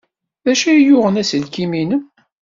D acu ay yuɣen aselkim-nnem?